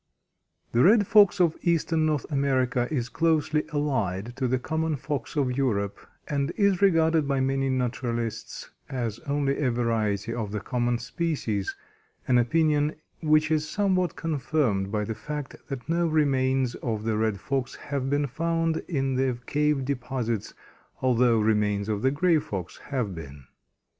The Red Fox of eastern North America is closely allied to the common Fox of Europe, and is regarded by many naturalists as only a variety of the common species, an opinion which is somewhat confirmed by the fact that no remains of the Red Fox have been found in the cave deposits, although remains of the Grey Fox have been.